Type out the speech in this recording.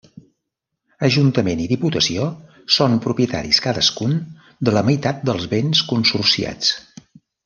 Ajuntament i Diputació són propietaris cadascun de la meitat dels béns consorciats.